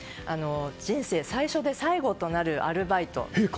人生最初で最後となるアルバイト。